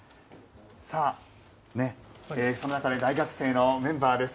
さあ、その辺り大学生のメンバーです。